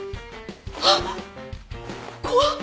はっ怖っ。